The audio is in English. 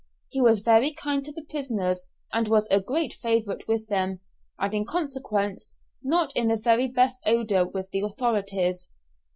He was very kind to the prisoners and was a great favourite with them, and in consequence not in the very best odour with the authorities.